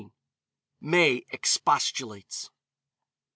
MAY EXPOSTULATES.